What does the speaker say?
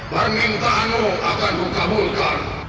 permintaanmu akan kukabulkan